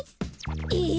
えっ？